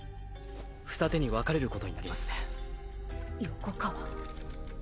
二手に分かれることになりますね。